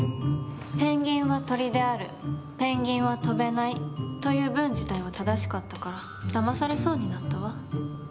「ペンギンは鳥である」「ペンギンは飛べない」という文自体は正しかったからだまされそうになったわ。